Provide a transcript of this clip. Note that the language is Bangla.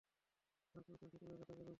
তাঁর কবিতার ক্ষেত্রেও এ কথা প্রযোজ্য।